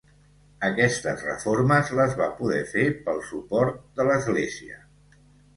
Aquestes reformes les va poder fer pel suport de l'Església.